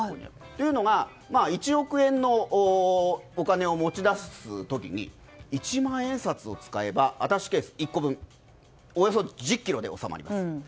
というのが１億円のお金を持ち出す時に一万円札を使えばアタッシェケース１個分およそ１０ｋｇで収まります。